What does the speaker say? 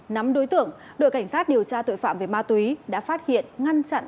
nắm đối tượng đội cảnh sát điều tra tội phạm về ma túy đã phát hiện ngăn chặn